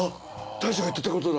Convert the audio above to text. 大将が言ってたことだ」